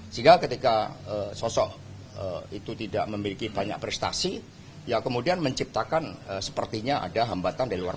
sehingga ketika sosok itu tidak memiliki banyak prestasi ya kemudian menciptakan sepertinya ada hambatan dari luar